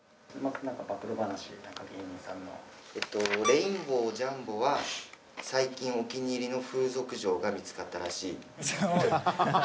レインボージャンボは最近お気に入りの風俗嬢が見付かったらしい。